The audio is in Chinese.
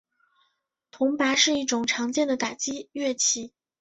铜钹是一种常见的打击乐器。